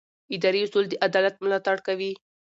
اداري اصول د عدالت ملاتړ کوي.